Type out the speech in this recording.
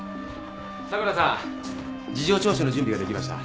佐倉さん事情聴取の準備ができました。